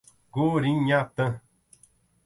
Gurinhatã